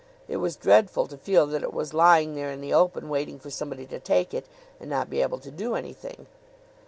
It was dreadful to feel that it was lying there in the open waiting for somebody to take it, and not be able to do anything."